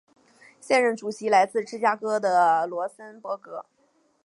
现任主席为来自芝加哥的罗森博格。